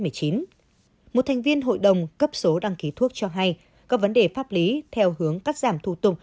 một thành viên hội đồng cấp số đăng ký thuốc cho hay các vấn đề pháp lý theo hướng cắt giảm thủ tục